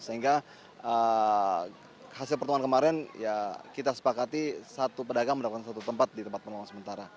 sehingga hasil pertemuan kemarin ya kita sepakati satu pedagang mendapatkan satu tempat di tempat pertemuan sementara